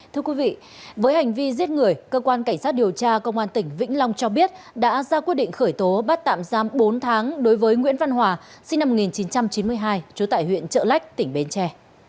thưa quý vị với hành vi giết người cơ quan cảnh sát điều tra công an tỉnh vĩnh long cho biết đã ra quyết định khởi tố bắt tạm giam bốn tháng đối với nguyễn văn hòa sinh năm một nghìn chín trăm chín mươi hai trú tại huyện trợ lách tỉnh bến tre